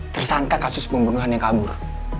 tersangka kasus pembunuhan yang kabur